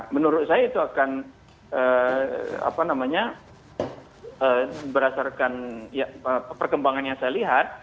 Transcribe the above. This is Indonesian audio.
menurut saya itu akan berdasarkan perkembangan yang saya lihat